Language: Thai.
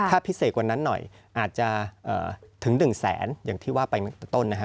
ถ้าพิเศษกว่านั้นหน่อยอาจจะถึง๑แสนอย่างที่ว่าไปต้นนะครับ